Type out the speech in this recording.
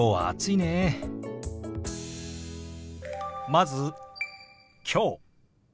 まず「きょう」。